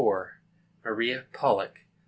Maria Pollock, 475.